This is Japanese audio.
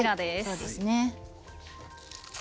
そうですね。